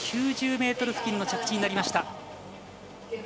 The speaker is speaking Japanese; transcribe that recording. ９０ｍ付近の着地になりました。